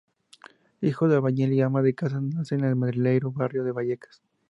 Hijo de albañil y ama de casa, nace en el madrileño barrio de Vallecas.